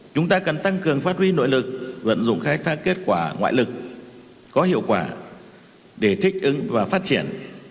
chúng ta cần tăng cường phát huy nội lực vận dụng khai thác kết quả ngoại lực có hiệu quả để thích ứng và phát triển